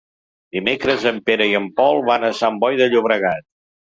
Dimecres en Pere i en Pol van a Sant Boi de Llobregat.